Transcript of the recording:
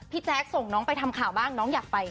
แจ๊คส่งน้องไปทำข่าวบ้างน้องอยากไป